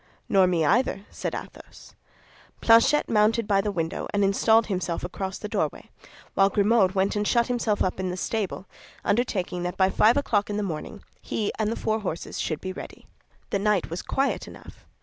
"Nor me either," said Athos. Planchet mounted by the window and installed himself across the doorway, while Grimaud went and shut himself up in the stable, undertaking that by five o'clock in the morning he and the four horses should be ready. The night was quiet enough.